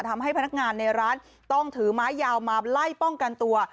ทำให้พนักงานในร้านต้องถือไม้ยาวมาไล่ป้องกันตัว